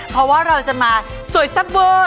เพราะว่าเราจะมาโสหสับเบอร์